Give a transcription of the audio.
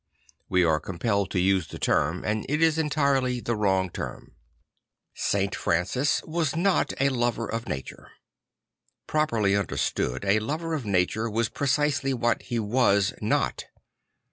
We are compelled to use the term; and it is entirely the wrong term. St. Francis ",yas not a lover of nature. Properly understood, a lover of nature was precisely what he was not.